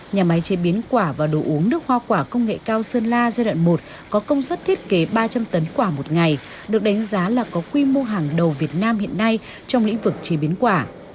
nhà máy chế biến quả và đồ uống nước hoa quả công nghệ cao sơn la giai đoạn một có công suất thiết kế ba trăm linh tấn quả một ngày được đánh giá là có quy mô hàng đầu việt nam hiện nay trong lĩnh vực chế biến quả